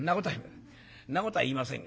そんなことは言いません。